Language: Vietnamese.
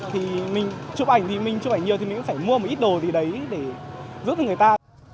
thì mình chụp ảnh thì mình chụp ảnh nhiều thì mình cũng phải mua một ít đồ gì đấy để giúp cho người ta